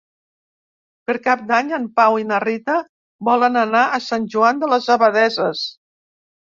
Per Cap d'Any en Pau i na Rita volen anar a Sant Joan de les Abadesses.